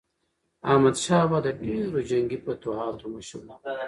احمدشاه بابا د ډیرو جنګي فتوحاتو مشر و.